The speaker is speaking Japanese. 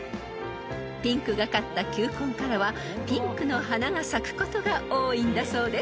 ［ピンクがかった球根からはピンクの花が咲くことが多いんだそうです］